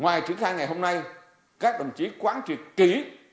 ngoài triển khai ngày hôm nay các đồng chí quán truyệt kỹ